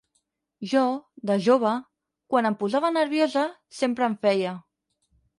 Jo, de jove, quan em posava nerviosa, sempre en feia.